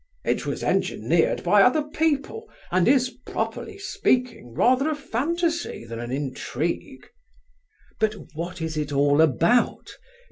"It was engineered by other people, and is, properly speaking, rather a fantasy than an intrigue!" "But what is it all about?